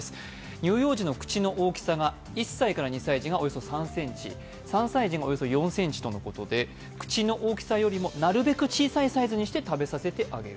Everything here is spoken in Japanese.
乳幼児の口の大きさが１歳から２歳児がおよそ３ｃｍ、３歳児は３ｃｍということで口の大きさよりもなるべく小さいサイズにして食べさせてあげる。